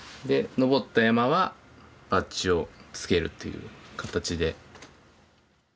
登った山はバッジをつけるというかたちで。